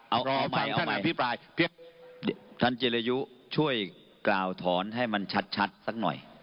เอาใหม่ท่านเจรยุช่วยกล่าวถอนให้มันชัดสักหน่อย